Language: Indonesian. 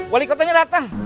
wali kotanya datang